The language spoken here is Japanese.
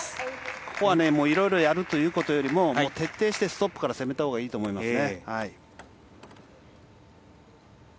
ここは色々やるということよりも徹底してストップから攻めたほうがいいですね。